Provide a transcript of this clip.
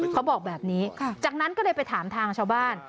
เขาบอกแบบนี้จากนั้นก็เลยไปถามทางชาวบ้าน